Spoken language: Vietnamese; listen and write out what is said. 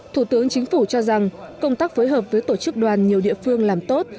thủ tướng chính phủ cho rằng công tác phối hợp với tổ chức đoàn nhiều địa phương làm tốt